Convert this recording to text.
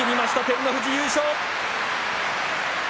照ノ富士、優勝。